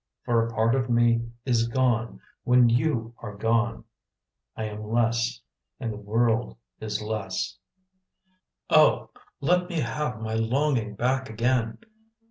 For a part of me is gone when you are gone; I am less And the world is less. let me have my longing back again!